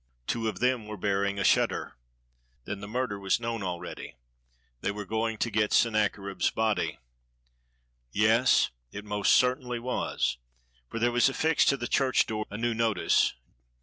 Two of them were bear ing a shutter. Then the murder was known already. They were going to get Sennacherib's body. Yes, it most certainly was, for there was affixed to the church door a new notice.